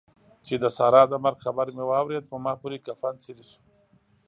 چې د سارا د مرګ خبر مې واورېد؛ په ما پورې کفن څيرې شو.